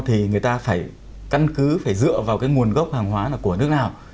thì người ta phải căn cứ phải dựa vào cái nguồn gốc hàng hóa là của nước nào